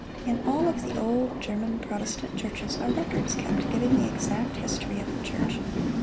In all of the old German Protestant churches are records kept giving the exact history of the church.